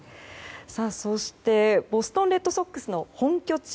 そしてボストン・レッドソックスの本拠地